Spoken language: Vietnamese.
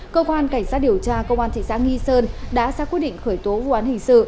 cơ quan cảnh sát điều tra công an thị xã nghi sơn đã ra quyết định khởi tố vụ án hình sự